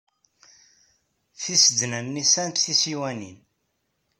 Tisednan-nni sɛant tisiwanin.